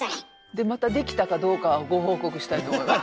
でまたできたかどうかはご報告したいと思います。